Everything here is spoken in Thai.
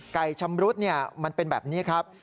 ไก่ชำรุดเนี่ยมันเป็นแบบนี้ครับ